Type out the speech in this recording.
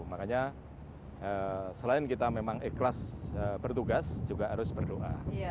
makanya selain kita memang ikhlas bertugas juga harus berdoa